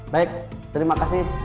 baik terima kasih